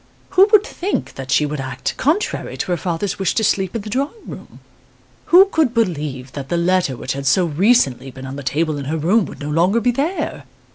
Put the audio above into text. Who would think that she would act contrary to her father's wish to sleep in the drawing room? Who could believe that the letter which had so recently been on the table in her room would no longer be there?